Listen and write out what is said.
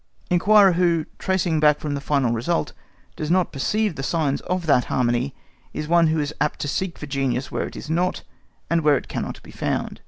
Inquirer who, tracing back from the final result, does not perceive the signs of that harmony is one who is apt to seek for genius where it is not, and where it cannot be found.